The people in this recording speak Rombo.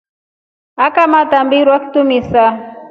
Mshiki akamta mbirwa kitumsa.